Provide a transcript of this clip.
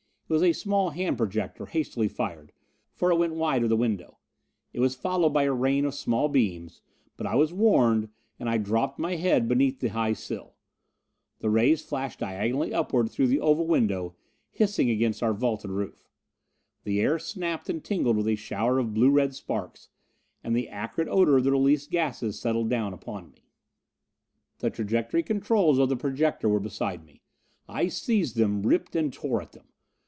It was a small hand projector, hastily fired, for it went wide of the window. It was followed by a rain of small beams, but I was warned and I dropped my head beneath the high sill. The rays flashed diagonally upward through the oval opening, hissed against our vaulted roof. The air snapped and tingled with a shower of blue red sparks, and the acrid odor of the released gases settled down upon me. The trajectory controls of the projector were beside me. I seized them, ripped and tore at them.